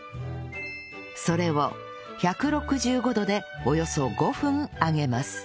それを１６５度でおよそ５分揚げます